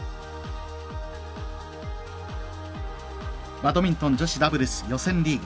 バドミントン女子ダブルス予選リーグ。